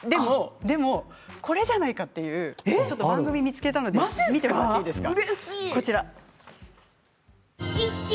でもこれじゃないかという番組を見つけたので見てもらっていいですか。